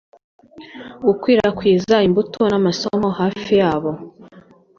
Gukwirakwiza imbuto n'amasomo hafi yabo